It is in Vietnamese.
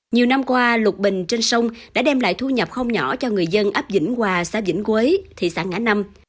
nhiều năm qua lục bình trên sông đã đem lại thu nhập không nhỏ cho người dân ấp dĩnh hòa xã vĩnh quế thị xã ngã năm